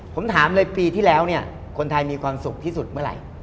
ผมถามเลยปีที่แล้วเนี่ยคนไทยมีความสุขที่สุดเมื่อไหร่